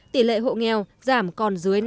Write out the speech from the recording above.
tỷ lệ hộ nghèo giảm còn dưới năm